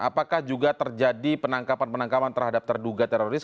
apakah juga terjadi penangkapan penangkapan terhadap terduga teroris